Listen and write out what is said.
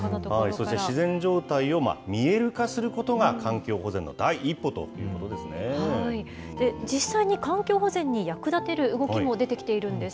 そして自然状態を見える化することが環境保全の第一歩という実際に環境保全に役立てる動きも出てきているんです。